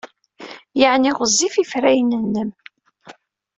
Yeɛni gziɣ ifrayen-nnem.